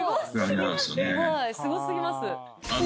・すごすぎます。